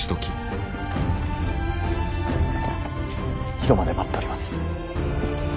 広間で待っております。